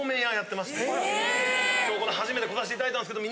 今日初めて来させて頂いたんですけど。